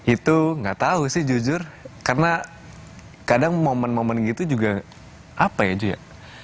itu gak tau sih jujur karena kadang momen momen gitu juga apa ya juga